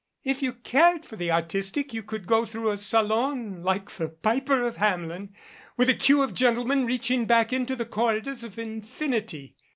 If you cared for the artistic you could go through a salon like the Piper of Hamelin with a queue of gentlemen reaching back into the corridors of infinity.